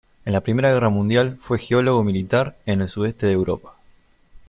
En la primera guerra mundial fue geólogo militar, en el sudeste de Europa.